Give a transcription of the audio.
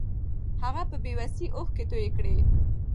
هغه په بې وسۍ اوښکې توې کړې.